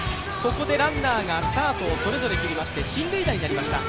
ここでランナーがスタートを切りまして進塁打になりました、